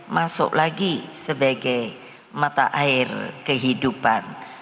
masuk lagi sebagai mata air kehidupan